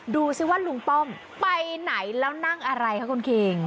ดูสิว่าลุงป้อมไปไหนแล้วนั่งอะไรคะคุณคิง